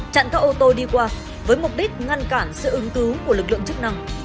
chặn các ô tô đi qua với mục đích ngăn cản sự ứng cứu của lực lượng chức năng